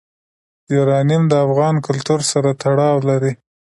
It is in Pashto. یورانیم د افغان کلتور سره تړاو لري.